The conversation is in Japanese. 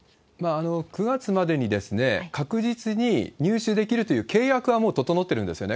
９月までに確実に入手できるという契約はもう整ってるんですよね。